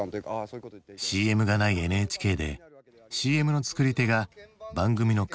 ＣＭがないＮＨＫでＣＭの作り手が番組の顔となる時代。